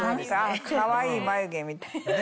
かわいい眉毛みたい。